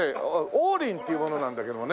王林っていう者なんだけどもね。